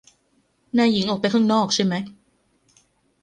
นายหญิงออกไปข้างนอกใช่ไหม